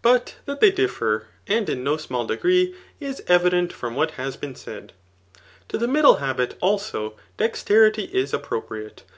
But that th€y £ffer, and in no small degree, is e>'ident from what h^ been said. . To the middle habit, also, desterity is appropriate.